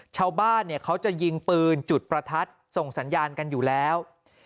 ชาวบ้านเขาจะยิงปืนจุดประทัดส่งสัญญาณกันอยู่แล้ว